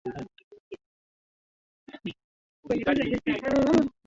ee inategemea sitegemei kuwa hali itakuwa hivyo kwa sababu